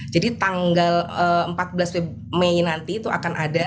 jadi tanggal empat belas mei nanti itu akan ada